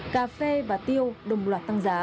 cà phê và tiêu đồng loạt tăng giá